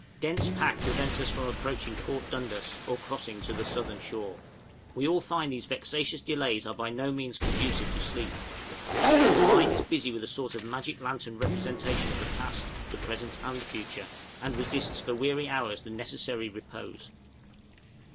Dense pack prevents us from approaching Port Dundas or crossing to the southern shore. We all find these vexatious delays are by no means conducive to sleep. The mind is busy with a sort of magic lantern representation of the past, the present, and the future, and resists for weary hours the necessary repose.